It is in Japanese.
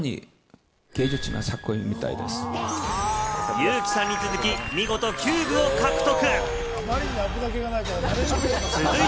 ユウキさんに続き、見事キューブを獲得。